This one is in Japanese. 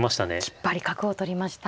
きっぱり角を取りました。